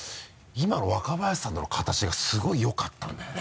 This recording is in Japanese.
今の若林さんとの形がすごいよかったんだよね。